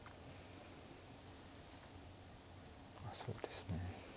まあそうですね。